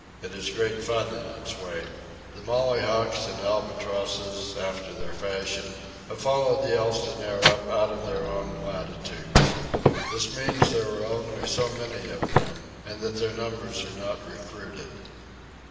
It is great fun in its way. The mollyhawks and albatrosses, after their fashion, have followed the Elsinore up out of their own latitudes. This means that there are only so many of them and that their numbers are not recruited.